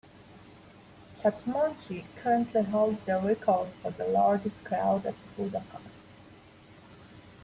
Chatmonchy currently holds the record for the largest crowd at Budokan.